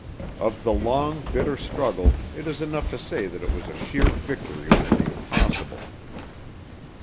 Of the long, bitter struggle, it is enough to say that it was a sheer victory over the impossible.